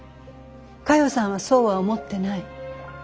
佳代さんはそうは思ってない。